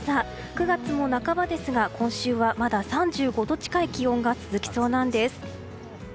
９月も半ばですが今週はまだ３５度近い気温が続きそうなんです。